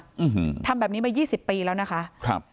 อืมทำแบบนี้มายี่สิบปีแล้วนะคะครับ